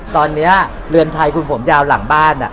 ตอนนี้เรือนไทยคุณผมยาวหลังบ้าน